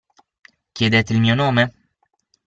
Chiedete il mio nome?